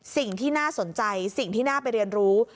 สิ่งที่น่าสนใจสิ่งที่น่าไปเรียนรู้